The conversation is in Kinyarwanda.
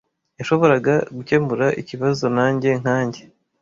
Yashoboraga gukemura ikibazo, nanjye nkanjye.